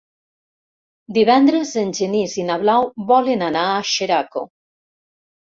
Divendres en Genís i na Blau volen anar a Xeraco.